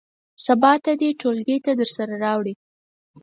سبا ته دې ټولګي ته درسره راوړي.